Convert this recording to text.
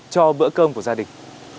cho bữa cơm của gia đình